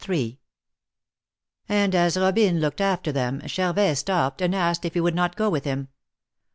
261 And as Robine looked after them, Charvet stopped and asked if he would not go with him.